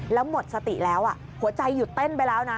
แล้วหมดสติแล้วหัวใจหยุดเต้นไปแล้วนะ